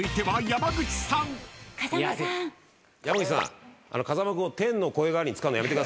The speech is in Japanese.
山口さん風間君を天の声代わりに使うのやめて。